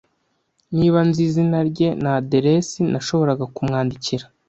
Niba nzi izina rye na aderesi, nashoboraga kumwandikira.